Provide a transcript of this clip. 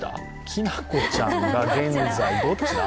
きなこちゃんが現在どっちだ？